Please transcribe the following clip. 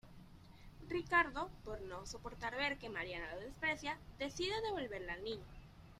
Ricardo por no soportar ver que Mariana lo desprecia decide devolverle al niño.